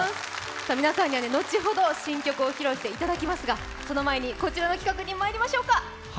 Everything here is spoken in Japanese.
皆さんには後ほど、新曲を披露してもらいますがこちらの企画にまいりましょうか。